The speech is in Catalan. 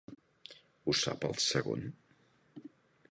Ho sap el segon?